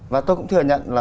và tôi cũng thừa nhận là